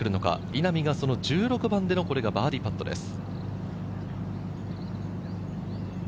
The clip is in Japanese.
稲見が１６番でのバーディーパットです。